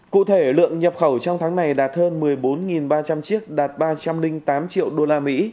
cụ thể lượng nhập khẩu trong tháng này đạt hơn một mươi bốn ba trăm linh chiếc đạt ba trăm linh tám triệu usd